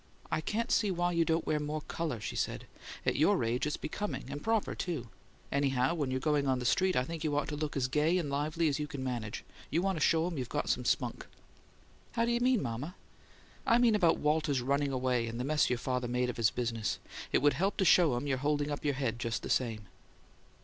"I can't see why you don't wear more colour," she said. "At your age it's becoming and proper, too. Anyhow, when you're going on the street, I think you ought to look just as gay and lively as you can manage. You want to show 'em you've got some spunk!" "How do you mean, mama?" "I mean about Walter's running away and the mess your father made of his business. It would help to show 'em you're holding up your head just the same."